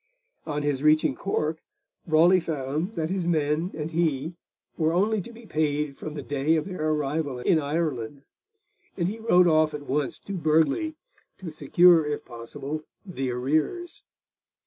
On his reaching Cork, Raleigh found that his men and he were only to be paid from the day of their arrival in Ireland, and he wrote off at once to Burghley to secure, if possible, the arrears.